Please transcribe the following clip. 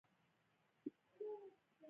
واخلئ